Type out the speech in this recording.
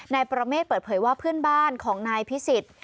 นายประเมษเปิดเผยว่าพื้นบ้านของนายพิศิษฐ์